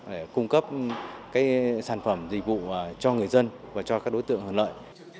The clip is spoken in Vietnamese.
để cung cấp cái sản phẩm dịch vụ cho người dân và cho các đối tượng hợp lợi